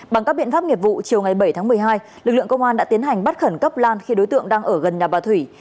bằng các biện pháp nghiệp vụ chiều ngày bảy tháng một mươi hai lực lượng công an đã tiến hành bắt khẩn cấp lan khi đối tượng đang ở gần nhà bà thủy